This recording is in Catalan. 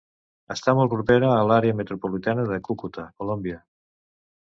Està molt propera a l'àrea metropolitana de Cúcuta, Colòmbia.